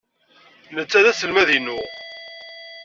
Netta d aselmad-inu.